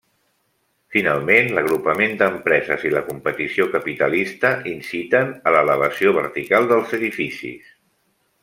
Finalment, l'agrupament d'empreses i la competició capitalista inciten a l'elevació vertical dels edificis.